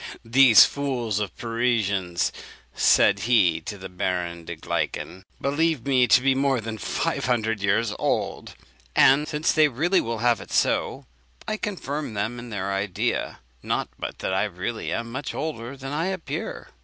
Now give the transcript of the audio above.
"These fools of Parisians," said he to the Baron de Gleichen, "believe me to be more than five hundred years old; and, since they will have it so, I confirm them in their idea. Not but that I really am much older than I appear."